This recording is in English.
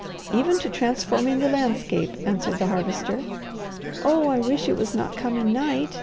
"Even to transforming the landscape," answered the Harvester. "Oh I wish it was not coming night!"